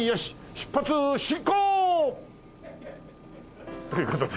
出発進行！という事で。